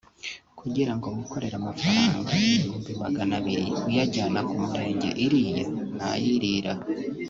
kugirango wikorere amafaranga ibihumbi Magana abiri uyajyana ku Murenge iriya nayirira